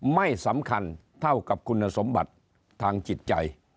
ไม่สำคัญเท่ากับคุณสมบัติทางจิตใจ